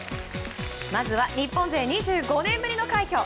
まずは日本勢２５年ぶりの快挙。